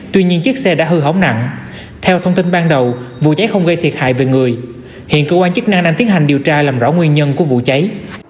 tuy nhiên chiếc xe đã hư hỏng nặng theo thông tin ban đầu vụ cháy không gây thiệt hại về người hiện cơ quan chức năng đang tiến hành điều tra làm rõ nguyên nhân của vụ cháy